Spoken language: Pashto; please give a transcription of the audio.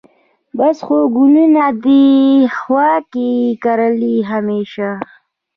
بس خو ګلونه دي هوا کې یې کرې همیشه